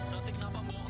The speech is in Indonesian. rati kenapa mbok